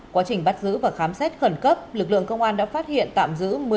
quá trình bắt giữ và khám xét khẩn cấp lực lượng công an đã phát hiện tạm giữ